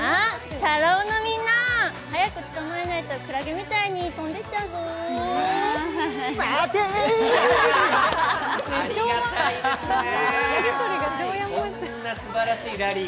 チャラ男のみんな、早く捕まえないとくらげみたいに飛んでっちゃうぞー。